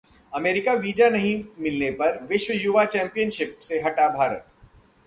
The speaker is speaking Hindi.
अमेरिकी वीजा नहीं मिलने पर विश्व युवा चैम्पियनशिप से हटा भारत